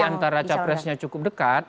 ya karena jarak antara capresnya cukup dekat